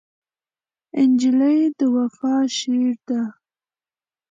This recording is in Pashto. نجلۍ د وفا شعر ده.